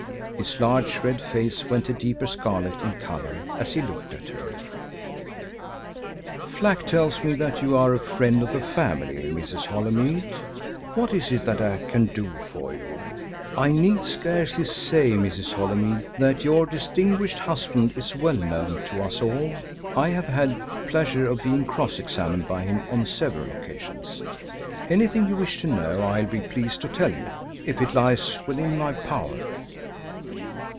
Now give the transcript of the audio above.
His large red face went a deeper scarlet in colour as he looked at her. "Flack tells me that you are a friend of the family, Mrs. Holymead. What is it that I can do for you? I need scarcely say, Mrs. Holymead, that your distinguished husband is well known to us all. I have had the pleasure of being cross examined by him on several occasions. Anything you wish to know I'll be pleased to tell you, if it lies within my power."